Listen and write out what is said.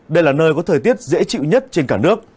đây là nơi có thời tiết dễ chịu nhất trên cả nước